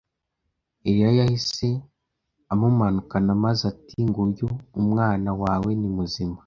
Eliya yahise amumanukana maze ati nguyu umwana wawe ni muzima